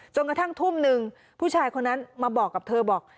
กระทั่งทุ่มหนึ่งผู้ชายคนนั้นมาบอกกับเธอบอก